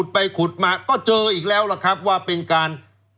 ไปขุดมาก็เจออีกแล้วล่ะครับว่าเป็นการ